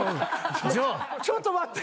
ちょっと待って！